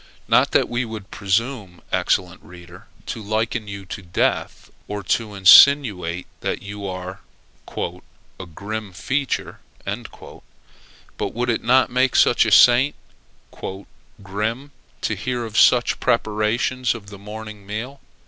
Not that we would presume, excellent reader, to liken you to Death, or to insinuate that you are "a grim feature." But would it not make a saint "grim," to hear of such preparations for the morning meal?